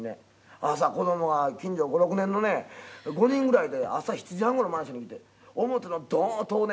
朝子どもが近所の５６年のね５人ぐらいで朝７半頃マンションに来て表の戸をね